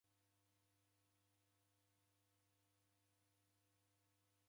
Kwaki msew'iroghue w'aghosi?